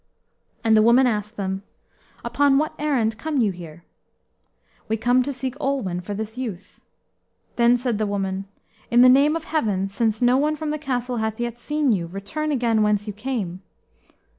And the woman asked them, "Upon what errand come you here?" "We come to seek Olwen for this youth." Then said the woman, "In the name of Heaven, since no one from the castle hath yet seen you, return again whence you came."